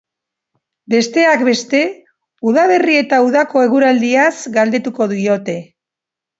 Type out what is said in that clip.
Besteak beste, udaberri eta udako eguraldiaz galdetuko diote.